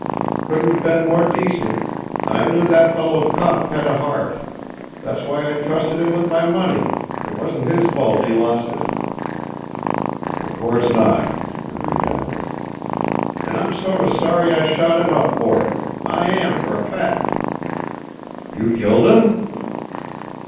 Couldn't have been more decent. I knew that fellow Kopf had a heart. That's why I trusted him with my money. It wasn't his fault he lost it." "Of course not," agreed Alan. "And I'm sort of sorry I shot him up for it. I am, for a fact." "You killed him?"